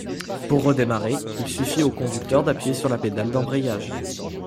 Pour redémarrer, il suffit au conducteur d'appuyer sur la pédale d'embrayage.